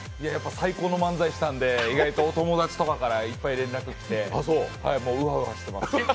最高の漫才をしたんでと友達とかいっぱい連絡来てウハウハしてます。